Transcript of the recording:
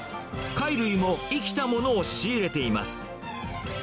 貝類も生きたものを仕入れています。